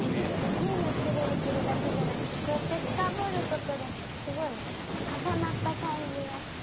ゲームプレーするだけじゃなくてこうやってフカボルことですごい重なった感じがした。